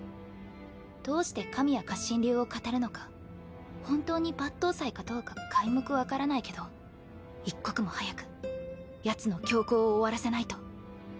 どうして神谷活心流をかたるのか本当に抜刀斎かどうか皆目分からないけど一刻も早くやつの凶行を終わらせないと。